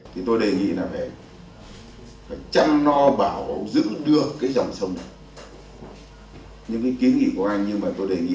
thì tôi đề nghị là phải chăm no bảo giữ được cái dòng sông này những ý kiến của anh nhưng mà tôi đề nghị